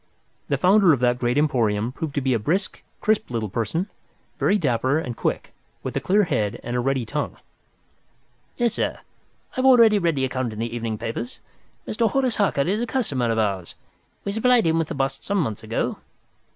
The founder of that great emporium proved to be a brisk, crisp little person, very dapper and quick, with a clear head and a ready tongue. "Yes, sir, I have already read the account in the evening papers. Mr. Horace Harker is a customer of ours. We supplied him with the bust some months ago.